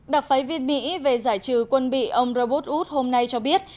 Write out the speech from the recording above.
đặc phái viên mỹ về giải trừ quân bị ông robert wood hôm nay cho biết